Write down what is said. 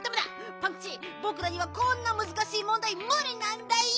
パンキチぼくらにはこんなむずかしいもんだいむりなんだよ！